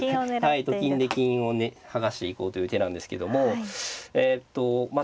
はいと金で金を剥がしていこうという手なんですけどもえとまあ